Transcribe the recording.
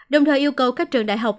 đồng thời yêu cầu các trường đại học